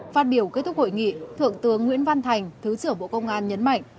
phát biểu kết thúc hội nghị thượng tướng nguyễn văn thành thứ trưởng bộ công an nhấn mạnh